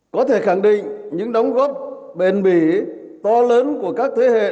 có thể khẳng định những đóng góp bền bỉ to lớn của các thế hệ